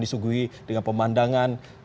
disuguhi dengan pemandangan